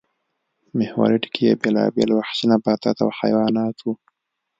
محوري ټکی یې بېلابېل وحشي نباتات او حیوانات وو